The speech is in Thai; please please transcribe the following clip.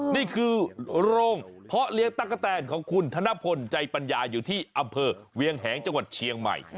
นี่คือโรงเพาะเลี้ยงตะกะแตนของคุณธนพลใจปัญญาอยู่ที่อำเภอเวียงแหงจังหวัดเชียงใหม่